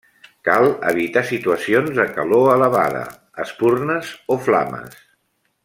Cal evitar situacions de calor elevada, espurnes o flames.